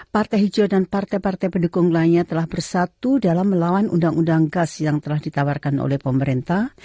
partai hijau dan partai partai pendukung lainnya telah bersatu dalam melawan undang undang gas yang telah ditawarkan oleh pemerintah